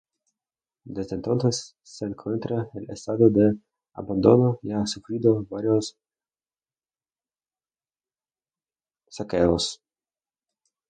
Desde entonces se encuentra en estado de abandono y ha sufrido varios saqueos.